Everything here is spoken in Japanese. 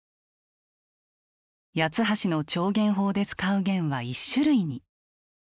八橋の調弦法で使う弦は１種類に。